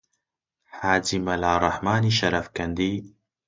حاجی مەلا ڕەحمانی شەرەفکەندی: